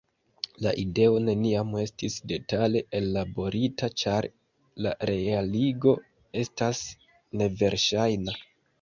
La ideo neniam estis detale ellaborita ĉar la realigo estas neverŝajna.